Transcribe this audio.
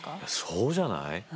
そうじゃない？